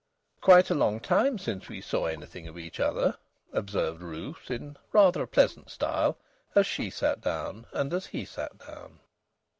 "Quite a long time since we saw anything of each other," observed Ruth in rather a pleasant style, as she sat down and as he sat down.